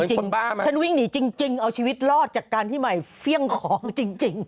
เหมือนคนบ้าไหมฉันวิ่งหนีจริงเอาชีวิตรอดจากการที่ใหม่เฟี้ยงของจริง